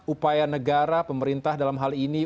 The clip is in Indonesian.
upaya negara pemerintah dalam hal ini